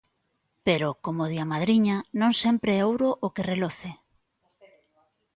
Pero, como di a madriña, non sempre é ouro o que reloce.